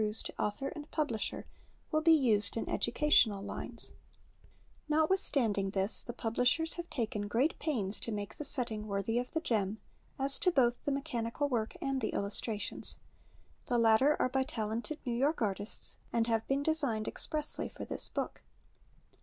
es to author and publisher will be used in educational' nWs.' 8 Preface Notwithstanding this the publisliers have taken great pains to make the setting worthy of the gem, as to both the mechanical zvork and the illustrations. The latter are by talented Nezv York artists, and have been designed expressly for this book.